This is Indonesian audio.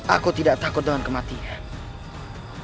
aku tidak takut dengan kematian